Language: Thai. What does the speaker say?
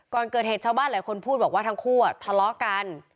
ก่อนเกิดเหตุชาวบ้านหลายคนพูดบอกว่าทั้งคู่ทะเลาะกัน